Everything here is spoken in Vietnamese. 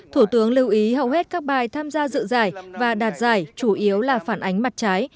thủ tướng lưu ý hầu hết các bài tham gia dự giải và đạt giải chủ yếu là phản ánh mặt trái